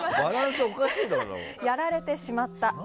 やられてしまった。